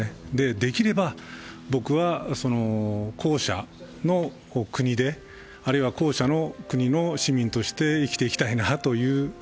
できれば僕は後者の国で、あるいは後者の国の市民として生きていきたいなと。